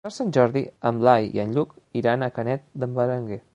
Per Sant Jordi en Blai i en Lluc iran a Canet d'en Berenguer.